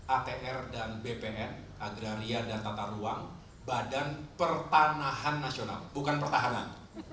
atr dan bpn agraria dan tata ruang badan pertanahan nasional bukan pertahanan